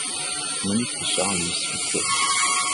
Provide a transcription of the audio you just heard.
Monique Richard lui succède.